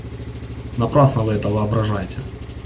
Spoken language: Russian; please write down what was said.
Напрасно вы это воображаете.